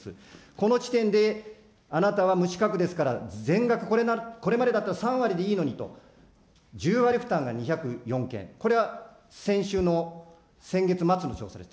この時点であなたは無資格ですから、全額、これまでだったら３割でいいのにと、１０割負担が２０４件、これは先週の先月末の調査です。